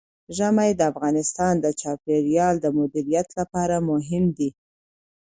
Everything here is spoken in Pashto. ژمی د افغانستان د چاپیریال د مدیریت لپاره مهم دي.